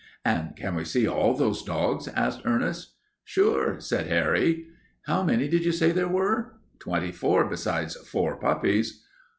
"And can we see all those dogs?" asked Ernest. "Sure," said Harry. "How many did you say there were?" "Twenty four besides four puppies."